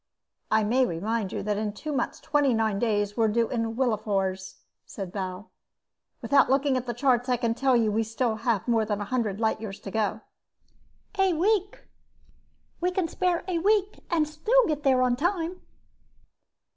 "I may remind you that in two months twenty nine days we're due in Willafours," said Bal. "Without looking at the charts I can tell you we still have more than a hundred light years to go." "A week," said Ethaniel. "We can spare a week and still get there on time."